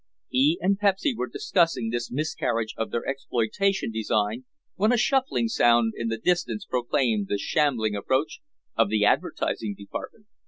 He and Pepsy were discussing this miscarriage of their exploitation design when a shuffling sound in the distance proclaimed the shambling approach of the advertising department.